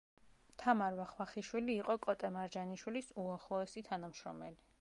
თამარ ვახვახიშვილი იყო კოტე მარჯანიშვილის უახლოესი თანამშრომელი.